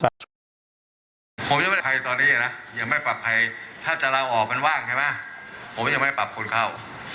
หลังจากนี้ก็ไม่ได้ปรับใครตอนนี้นะยังไม่ปรับใครถ้าจะลาวออกมันว่างใช่ไหมผมยังไม่ได้ปรับคนเข้า